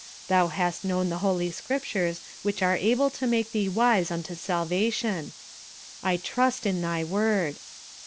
"Thou hast known the Holy Scriptures, which are able to make thee wise unto salvation." "I trust in thy Word."